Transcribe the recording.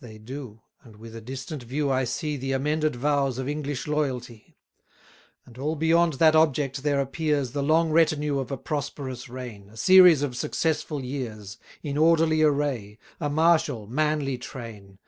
They do; and with a distant view I see The amended vows of English loyalty. And all beyond that object, there appears The long retinue of a prosperous reign, A series of successful years, In orderly array, a martial, manly train.